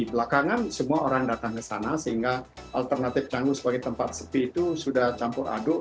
belakangan semua orang datang ke sana sehingga alternatif cangguh sebagai tempat sepi itu sudah campur aduk